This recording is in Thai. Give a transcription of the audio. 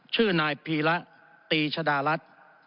ชื่อนายพีระตีชดารัฐ